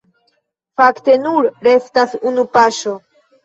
Fakte, nur restas unu paŝo.